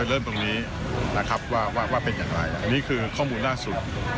เริ่มตรงนี้นะครับว่าเป็นอย่างไรอันนี้คือข้อมูลล่าสุด